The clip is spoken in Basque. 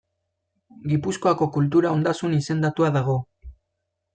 Gipuzkoako kultura ondasun izendatua dago.